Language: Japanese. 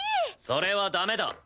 それはダメだ。